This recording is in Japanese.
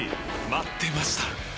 待ってました！